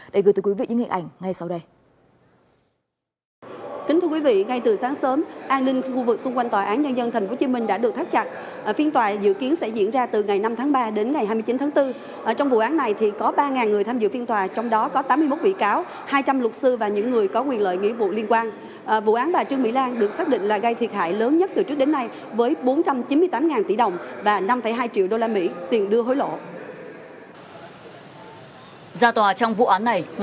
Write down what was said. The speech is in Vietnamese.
để gửi tới quý vị những hình ảnh ngay sau đây